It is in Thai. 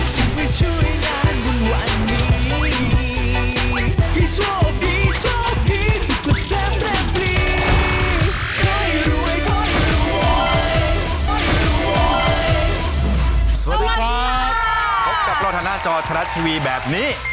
สวัสดีครับพบกับโรธนาจอทะลัดทีวีแบบนี้